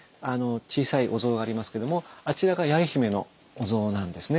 小さいお像がありますけどもあちらが八重姫のお像なんですね。